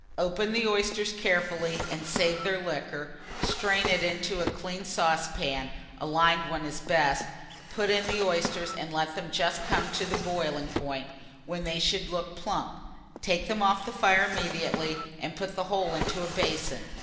Open the oysters carefully, and save their liquor; strain it into a clean saucepan (a lined one is best), put in the oysters, and let them just come to the boiling point, when they should look plump. Take them off the fire immediately, and put the whole into a basin.